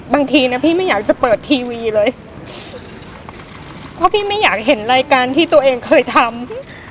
บางทีนะพี่ไม่อยากจะเปิดทีวีเลยเพราะพี่ไม่อยากเห็นรายการที่ตัวเองเคยทำ